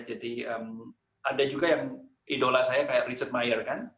jadi ada juga yang idola saya kayak richard meyer kan